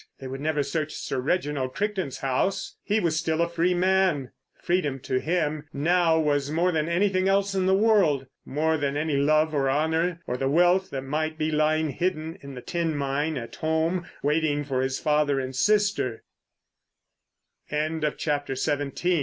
They would never search Sir Reginald Crichton's house! He was still a free man. And freedom to him now was more than anything else in the world. More than love or honour, or the wealth that might be lying hidden in the tin mine at home, waiting for his father and sister. CHAPTER XVIII. ALARMED.